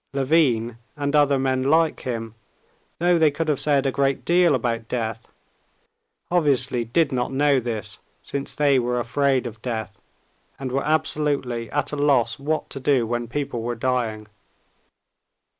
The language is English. Levin and other men like him, though they could have said a great deal about death, obviously did not know this since they were afraid of death, and were absolutely at a loss what to do when people were dying.